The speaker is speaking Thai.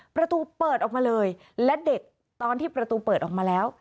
ประตูเปิดออกมาเลยและเด็กตอนที่ประตูเปิดออกมาแล้ว